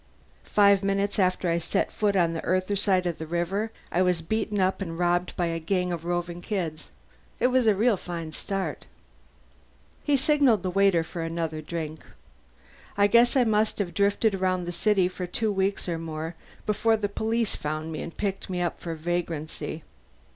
Five minutes after I set foot on the Earther side of the river I was beaten up and robbed by a gang of roving kids. It was a real fine start." He signalled the waiter for another drink. "I guess I must have drifted around the city for two weeks or more before the police found me and picked me up for vagrancy.